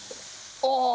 ああ！